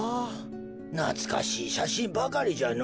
なつかしいしゃしんばかりじゃのう。